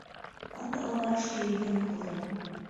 Ынде ондак шке йӱын колтем.